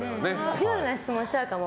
意地悪な質問しちゃうかも。